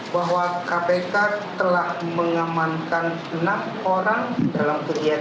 bahwa kpk telah mengamankan enam orang dalam kegiatan